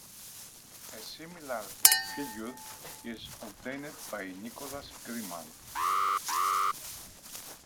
A similar figure is obtained by Nicolas Grimal.